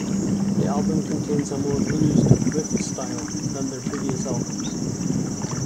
The album contains a more blused riffed style than their previous albums.